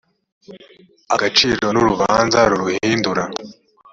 agaciro n urubanza ruruhindura